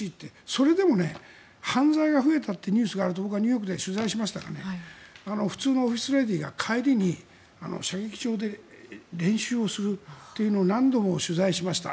それでも犯罪が増えたってニュースがあると僕はニューヨークで取材しましたが普通のオフィスレディーが帰りに射撃場で練習をするというのを何度も取材しました。